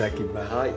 はい。